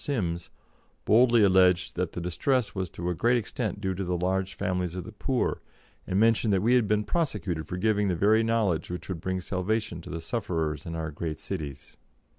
Sims boldly alleged that the distress was to a great extent due to the large families of the poor, and mentioned that we had been prosecuted for giving the very knowledge which would bring salvation to the sufferers in our great cities.